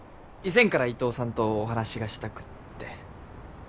以前から伊藤さんとお話がしたくって。